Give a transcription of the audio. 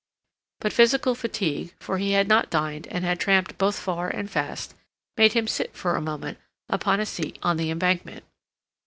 But physical fatigue, for he had not dined and had tramped both far and fast, made him sit for a moment upon a seat on the Embankment.